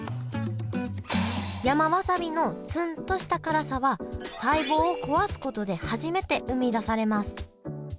山わさびのツンとした辛さは細胞を壊すことで初めて生み出されます